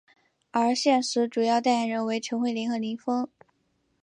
而现时主要代言人为陈慧琳和林峰。